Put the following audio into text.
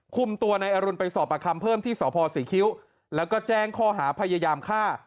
คุมตัวนายอรุณไปสอบประคำเพิ่มที่สพศรีคิ้วแล้วก็แจ้งข้อหาพยายามฆ่า